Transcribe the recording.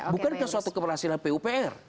bukankah suatu keberhasilan pupr